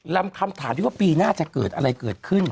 คำถามที่ว่าปีหน้าจะเกิดอะไรเกิดขึ้น